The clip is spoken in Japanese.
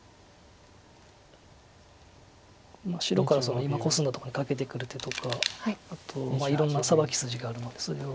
白から今コスんだとこにカケてくる手とかあといろんなサバキ筋があるのでそれを。